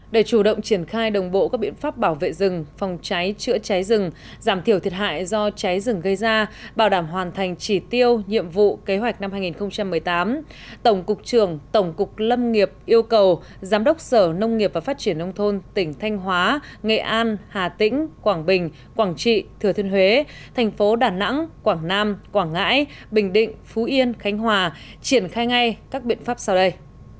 để chủ động triển khai đồng bộ các biện pháp bảo vệ rừng phòng cháy chữa cháy rừng giảm thiểu thiệt hại do cháy rừng gây ra bảo đảm hoàn thành chỉ tiêu nhiệm vụ kế hoạch năm hai nghìn một mươi tám tổng cục trường tổng cục lâm nghiệp yêu cầu giám đốc sở nông nghiệp và phát triển nông thôn tỉnh thanh hóa nghệ an hà tĩnh quảng bình quảng trị thừa thiên huế thành phố đà nẵng quảng nam quảng ngãi bình định phú yên khánh hòa triển khai ngay các biện pháp sau đây